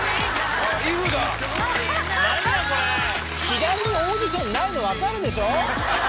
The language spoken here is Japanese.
左にオーディションないの分かるでしょ？